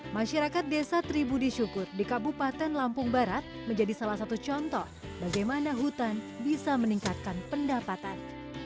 masyarakat desa tribudi syukur di kabupaten lampung barat menjadi salah satu contoh bagaimana hutan bisa meningkatkan pendapatan